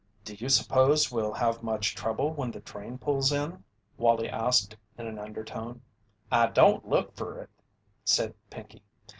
"Do you suppose we'll have much trouble when the train pulls in?" Wallie asked in an undertone. "I don't look fer it," said Pinkey.